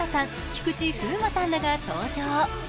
菊池風磨さんらが登場。